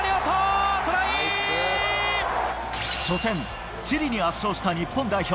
初戦、チリに圧勝した日本代表。